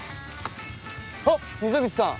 あっ溝口さん！